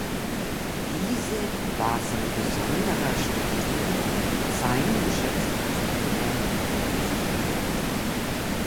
Diese war von besonderer Struktur fein geschöpft und von heller Grundfarbe.